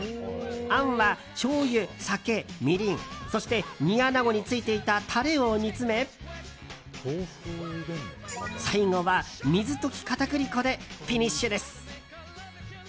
あんはしょうゆ、酒、みりんそして煮アナゴについていたタレを煮詰め最後は水溶き片栗粉でフィニッシュです。